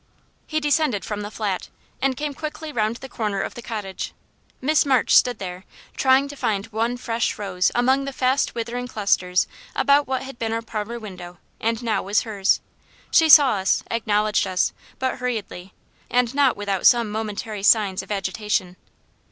He descended from the Flat, and came quickly round the corner of the cottage. Miss March stood there, trying to find one fresh rose among the fast withering clusters about what had been our parlour window and now was hers. She saw us, acknowledged us, but hurriedly, and not without some momentary signs of agitation.